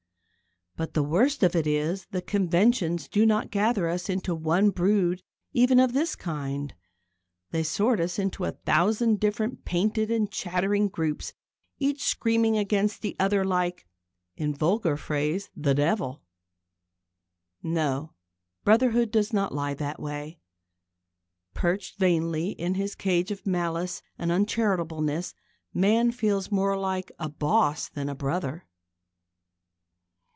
But the worst of it is, the conventions do not gather us into one brood even of this kind. They sort us into a thousand different painted and chattering groups, each screaming against the other like, in the vulgar phrase, the Devil. No: brotherhood does not lie that way. Perched vainly in his cage of malice and uncharitableness, man feels more like a boss than a brother.